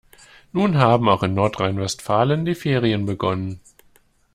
Nun haben auch in Nordrhein-Westfalen die Ferien begonnen.